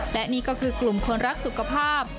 และนี่ก็คือกลุ่มคนรักสุขภาพ